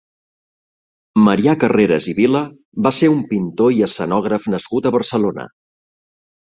Marià Carreras i Vila va ser un pintor i escenògraf nascut a Barcelona.